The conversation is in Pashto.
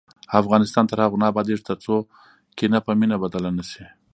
افغانستان تر هغو نه ابادیږي، ترڅو کینه په مینه بدله نشي.